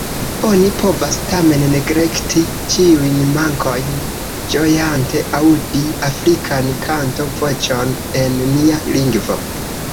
Oni povas tamen neglekti ĉiujn mankojn, ĝojante aŭdi afrikan kanto-voĉon en nia lingvo.